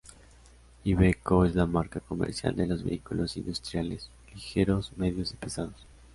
Iveco es la marca comercial de los vehículos industriales ligeros, medios y pesados.